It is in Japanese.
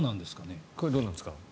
そこはどうなんですか。